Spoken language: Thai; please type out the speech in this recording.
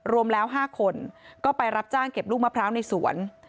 รวมแล้ว๕คนก็ไปรับจ้างเก็บลูกมะพร้าวในสวน